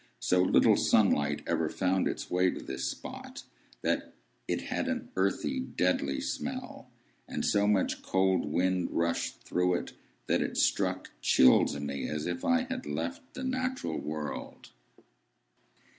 So little sunlight ever found its way to this spot, that it had an earthy, deadly smell; and so much cold wind rushed through it, that it struck chill to me, as if I had left the natural world.